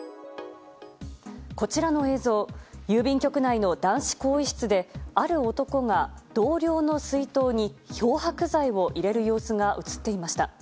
こちらの映像郵便局内の男子更衣室である男が同僚の水筒に漂白剤を入れる様子が映っていました。